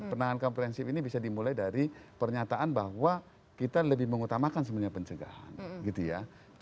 penanganan komprehensif ini bisa dimulai dari pernyataan bahwa kita lebih mengutamakan sebenarnya pencegahan gitu ya